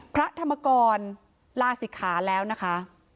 พระธรรมกรลาศิกขาแล้วนะคะ